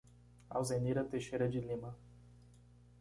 Alzenira Teixeira de Lima